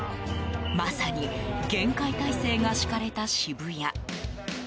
まさに厳戒態勢が敷かれた渋谷。